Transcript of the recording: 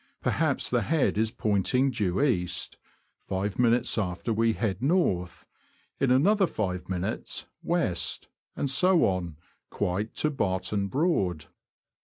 Perhaps the head is pointing due east ; five minutes after we head north ; in another five minutes, west ; and so on, quite to Barton Broad.